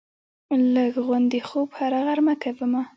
لږ غوندې خوب هره غرمه کومه